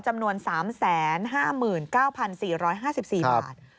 จำนวน๓๕๙๔๕๔บาท